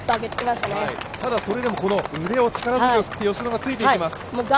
ただ、それでも腕を力強く振って吉薗、ついていきます。